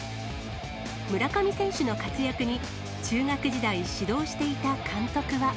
村上選手の活躍に、中学時代、指導していた監督は。